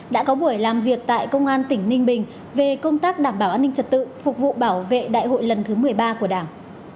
đã có buổi làm việc tại công an tỉnh ninh bình về công tác đảm bảo an ninh trật tự phục vụ bảo vệ đại hội lần thứ một mươi ba của đảng